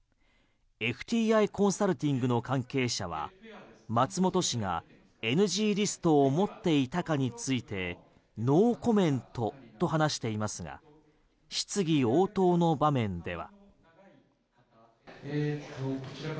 ＦＴＩコンサルティングの関係者は松本氏がＮＧリストを持っていたかについてノーコメントと話していますが質疑応答の場面では。